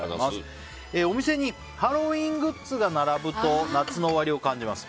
お店にハロウィーングッズが並ぶと夏の終わりを感じます。